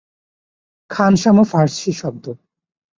খানসামা ফারসী শব্দ।